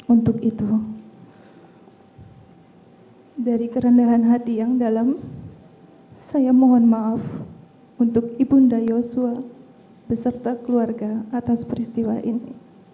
untuk itu dari kerendahan hati yang dalam saya mohon maaf untuk ibu nda yosua beserta keluarga atas peristiwa ini